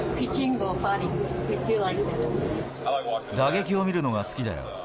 打撃を見るのが好きだよ。